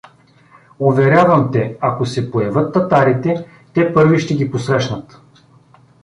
Уверявам те, ако се появят татарите, те първи ще ги посрещнат.